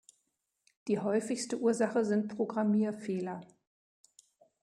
Die häufigste Ursache sind Programmierfehler.